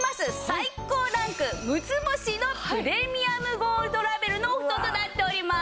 最高ランク６つ星のプレミアムゴールドラベルのお布団となっております。